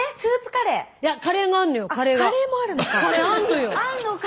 カレーもあるのか。